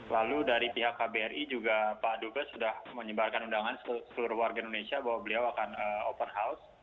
lalu dari pihak kbri juga pak dubes sudah menyebarkan undangan seluruh warga indonesia bahwa beliau akan open house